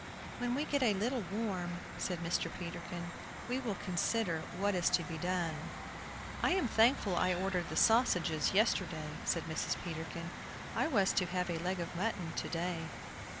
"When we get a little warm," said Mr. Peterkin, "we will consider what is to be done." "I am thankful I ordered the sausages yesterday," said Mrs. Peterkin. "I was to have had a leg of mutton to day."